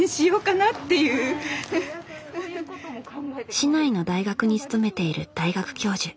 市内の大学に勤めている大学教授。